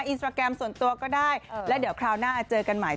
อินสตราแกรมส่วนตัวก็ได้แล้วเดี๋ยวคราวหน้าเจอกันใหม่